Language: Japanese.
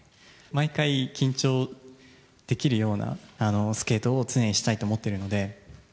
毎回、緊張できるようなスケートを常にしたいと思ってるので。